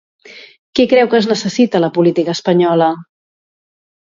Què creu que es necessita a la política espanyola?